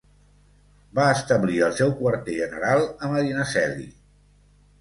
Va establir el seu quarter general a Medinaceli.